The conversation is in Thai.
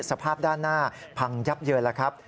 สภาพด้านหน้าพังยับเยินแล้วครับ